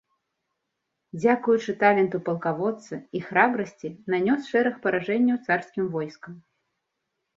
Дзякуючы таленту палкаводца і храбрасці нанёс шэраг паражэнняў царскім войскам.